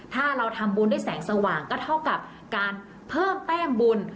ถ้าเราทำบุญด้วยแสงสว่างก็เท่ากับการเพิ่มแต้มบุญ